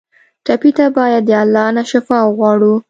ټپي ته باید د الله نه شفا وغواړو.